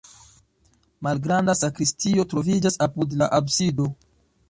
Malgranda sakristio troviĝas apud la absido.